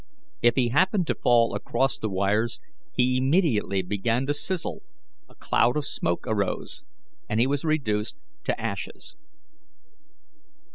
If he happened to fall across the wires, lie immediately began to sizzle, a cloud of smoke arose, and lie was reduced to ashes.